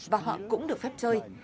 và họ cũng được phép chơi